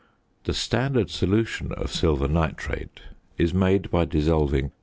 The standard solution of silver nitrate is made by dissolving 13.